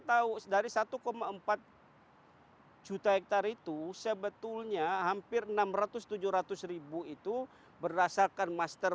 tahu dari satu empat juta hektare itu sebetulnya hampir enam ratus tujuh ratus ribu itu berdasarkan master